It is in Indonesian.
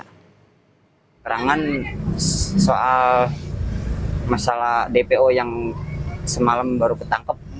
keterangan soal masalah dpo yang semalam baru ketangkep